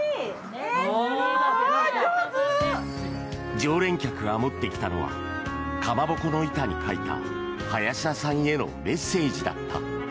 常連客が持ってきたのはかまぼこの板に書いた林田さんへのメッセージだった。